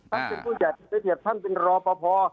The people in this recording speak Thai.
ท่านเป็นผู้ใหญ่ท่านเป็นรอปภ